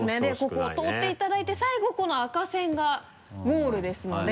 ここを通っていただいて最後この赤線がゴールですので。